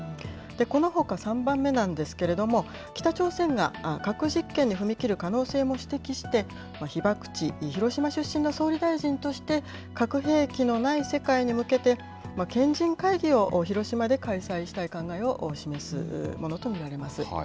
このほか３番目なんですけれども、北朝鮮が核実験に踏み切る可能性も指摘して、被爆地、広島出身の総理大臣として、核兵器のない世界に向けて、賢人会議を広島で開催したい考えを示すものと見られます。